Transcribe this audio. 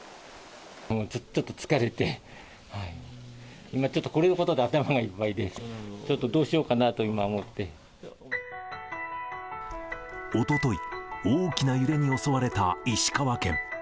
もうずっと疲れて、今ちょっと、これのことで頭がいっぱいで、ちょっとどうしようかなと今思っおととい、大きな揺れに襲われた石川県。